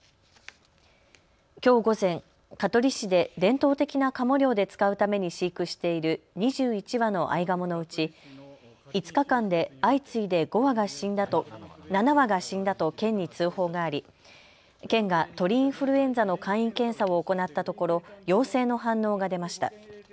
きょう午前、香取市で伝統的なかも猟で使うために飼育している２１羽のあいがものうち５日間で相次いで７羽が死んだと県に通報があり県が鳥インフルエンザの簡易検査を行ったところ陽性の反応が出ました。